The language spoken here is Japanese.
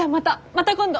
また今度！